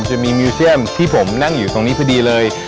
จะมีมิวเซียมที่ผมนั่งอยู่ตรงนี้พอดีเลย